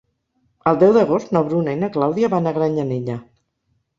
El deu d'agost na Bruna i na Clàudia van a Granyanella.